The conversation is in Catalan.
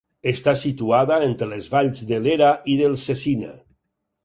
Està situada entre les valls de l'Era i del Cecina.